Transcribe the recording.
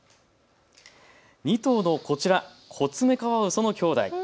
２頭のこちら、コツメカワウソの兄弟。